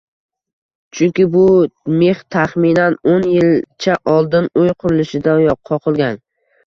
Chunki bu mix taxminan oʻn yilcha oldin, uy qurilishida qoqilgan